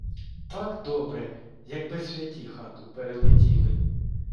Так добре, якби святі хату перелетіли.